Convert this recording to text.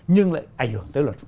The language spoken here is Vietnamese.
nhưng lại ảnh hưởng tới luật